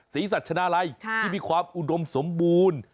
ศรีสัชนาลัยที่มีความอุดมสมบูรณ์